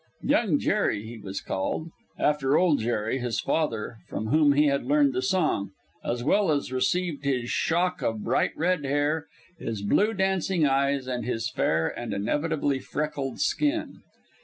"Young" Jerry he was called, after "Old" Jerry, his father, from whom he had learned the song, as well as received his shock of bright red hair, his blue, dancing eyes, and his fair and inevitably freckled skin.